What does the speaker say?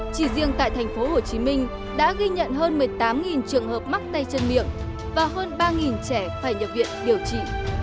chỉ riêng tại thành phố hồ chí minh đã ghi nhận hơn một mươi tám trường hợp mắc tay chân miệng và hơn ba trẻ phải nhập viện điều trị